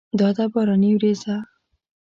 دا ده باراني ورېځه!